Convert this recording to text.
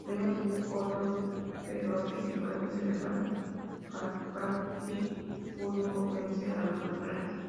Luego de otros feroces encuentros en el valle Calchaquí, pudo vencer a los naturales.